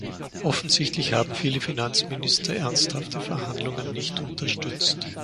Offensichtlich haben viele Finanzminister ernsthafte Verhandlungen nicht unterstützt.